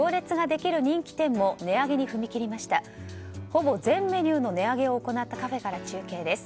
ほぼ全メニューの値上げを行ったカフェから中継です。